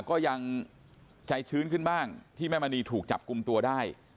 ก็ยังใจชื้นขึ้นบ้างที่แม่มณีถูกจับกลุ่มตัวได้